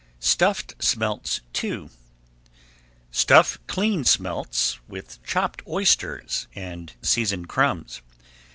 STUFFED SMELTS II Stuff cleaned smelts with chopped oysters and seasoned crumbs.